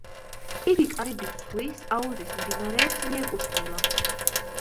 იგი კარიბის ზღვის აუზის მდინარეებს მიეკუთვნება.